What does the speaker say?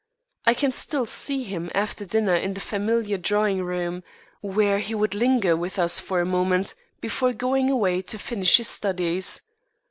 I can still see him after dinner in the familiar drawing room, where he would linger with us for a moment before going away to finish his studies.